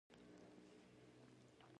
د خوږو میوو هیواد افغانستان.